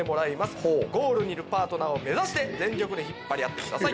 ゴールにいるパートナーを目指して全力で引っ張り合ってください。